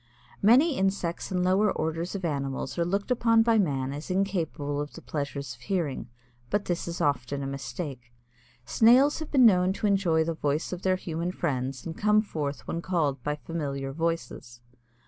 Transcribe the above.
Many insects and lower orders of animals are looked upon by man as incapable of the pleasures of hearing. But this is often a mistake. Snails have been known to enjoy the voice of their human friends and come forth when called by familiar voices.